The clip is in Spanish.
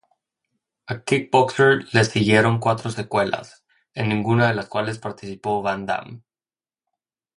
A "Kickboxer" le siguieron cuatro secuelas, en ninguna de las cuales participó Van Damme.